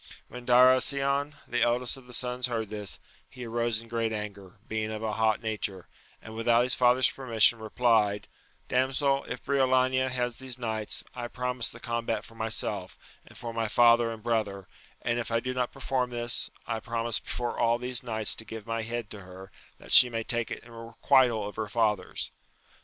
When Darasion, the eldest of the sons heard this, he arose in great anger, being of a hot nature, and without his father's permission replied, Damsel, if Briolania has these knights, I promise the combat for myself, and for my father and brother; and, if I do not perform this, I promise before all these knights to give my head to her, that she may take it in requital of her father's.